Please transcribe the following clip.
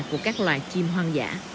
của các loài chim hoang dã